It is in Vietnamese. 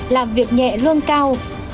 làm việc nhẹ lương cao